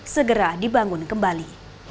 segera dibangun kembali